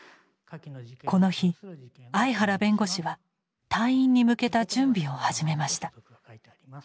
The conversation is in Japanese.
この日相原弁護士は退院に向けた準備を始めました。